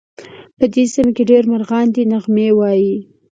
په دې سیمه کې ډېر مرغان دي نغمې وایې